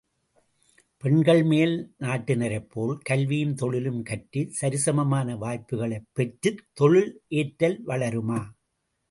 பெண்கள் மேல் நாட்டினரைப் போல் கல்வியும் தொழிலும் கற்றுச் சரிசமமான வாய்ப்புகளைப் பெற்றுத் தொழில் ஏற்றல் வளருமா?